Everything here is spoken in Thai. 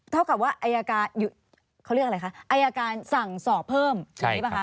เท่ากับว่าอายการสั่งสอบเพิ่มใช่ไหมคะ